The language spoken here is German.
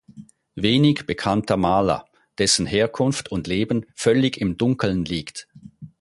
Wenig bekannter Maler, dessen Herkunft und Leben völlig im Dunkeln liegt.